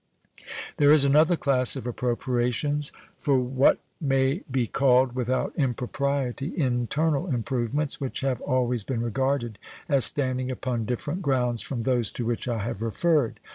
There is another class of appropriations for what may be called, without impropriety, internal improvements, which have always been regarded as standing upon different grounds from those to which I have referred.